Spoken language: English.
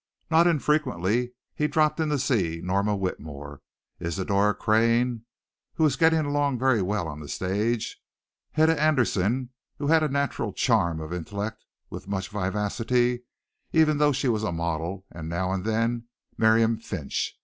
Not infrequently he dropped in to see Norma Whitmore, Isadora Crane, who was getting along very well on the stage, Hedda Andersen, who had a natural charm of intellect with much vivacity, even though she was a model, and now and then Miriam Finch.